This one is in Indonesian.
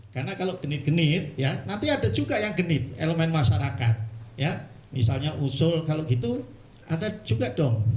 karena kalau genit genit ya nanti ada juga yang genit elemen masyarakat ya misalnya usul kalau gitu ada juga dong